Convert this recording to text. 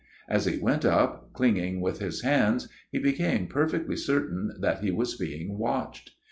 As he went up, clinging with his hands, he became perfectly certain that he was being watched.